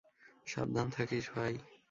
সাবধান থাকিস, ভাই।